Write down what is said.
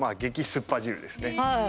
酸っぱ汁ですね。